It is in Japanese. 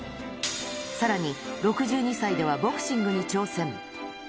さらに、６２歳ではボクシングに挑戦。